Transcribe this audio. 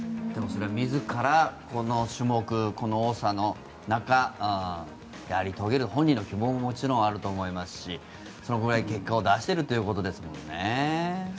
でも、それは自らこの種目、この多さの中やり遂げる本人の希望ももちろんあると思いますしそのぐらい結果を出しているということですもんね。